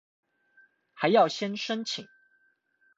還要先申請